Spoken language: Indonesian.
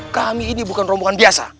kami ini bukan rombongan biasa